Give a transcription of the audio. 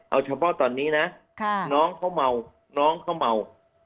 เอาเฉพาะตอนนี้นะน้องเขาเมาน้องเขาเมา